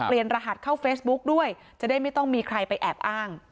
รหัสเข้าเฟซบุ๊กด้วยจะได้ไม่ต้องมีใครไปแอบอ้าง